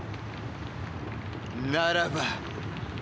ならば。